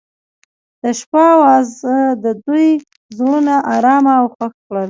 د شپه اواز د دوی زړونه ارامه او خوښ کړل.